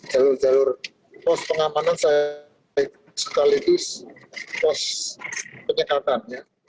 jalur jalur pos pengamanan sekaligus pos penyekatannya